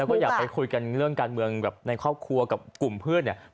แล้วก็อยากไปคุยกันเรื่องการเมืองแบบในครอบครัวกับกลุ่มเพื่อนเนี่ย